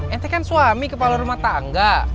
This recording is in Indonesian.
eti kan suami kepala rumah tangga